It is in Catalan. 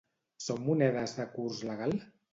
Són monedes de curs legal?